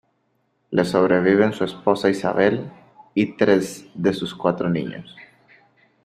Le sobreviven su esposa Isabel, y tres de sus cuatro niños.